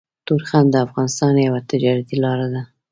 تورخم د افغانستان يوه تجارتي لاره ده